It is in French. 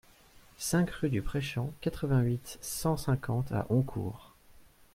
cinq rue du Prèchamp, quatre-vingt-huit, cent cinquante à Oncourt